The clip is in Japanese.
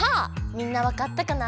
みんなわかったかな？